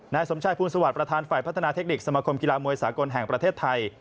นายสมชายภูมิสวัสดิ์ประธานฝ่ายพัฒนาเทคนิคสมคมกีฬามวยสากลแห่งประเทศไทย